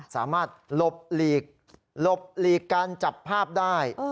สามารถหลบหลีกการจับภาพได้